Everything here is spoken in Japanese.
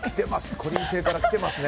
こりん星から来てますね。